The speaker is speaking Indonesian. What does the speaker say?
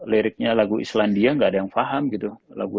liriknya lagu islandia nggak ada yang faham gitu lagu